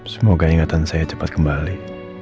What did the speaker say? semoga ingatan saya cepat kembali